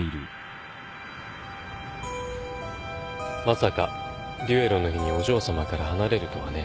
まさか決闘の日にお嬢さまから離れるとはね。